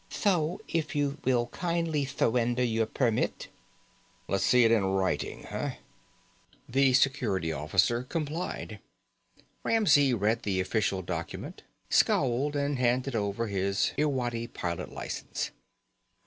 "Tho if you will kindly thurrender your permit?" "Let's see it in writing, huh?" The Security Officer complied. Ramsey read the official document, scowled, and handed over his Irwadi pilot license.